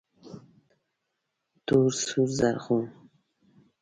تور، سور، رزغون